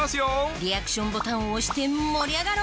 リアクションボタンを押して盛り上がろう！